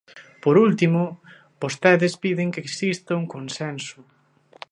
Por último, vostedes piden que exista un consenso.